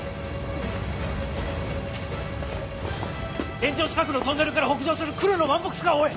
現場近くのトンネルから北上する黒のワンボックスカーを追え！